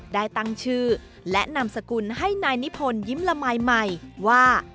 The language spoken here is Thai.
ได้ตั้งชื่อและนามสกุลให้นายนิพนธ์ยิ้มละมายใหม่ว่า